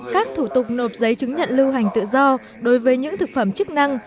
các thủ tục nộp giấy chứng nhận lưu hành tự do đối với những thực phẩm chức năng